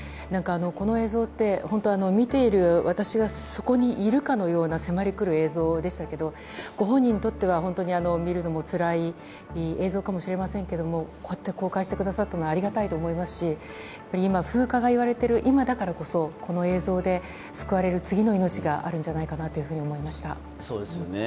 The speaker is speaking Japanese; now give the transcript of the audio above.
この映像って本当、見ている私がそこにいるかのような迫りくる映像でしたけどご本人にとっては本当に見るのもつらい映像かもしれませんけどこうやって公開してくださったのはありがたいと思いますし風化が言われている今だからこそこの映像で救われる次の命があるんじゃないかなと思いました。